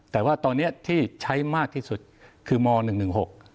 แต่ว่าตอนเนี้ยที่ใช้มากที่สุดคือมหนึ่งหนึ่งหก